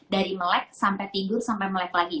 dari melek sampai tidur sampai melek lagi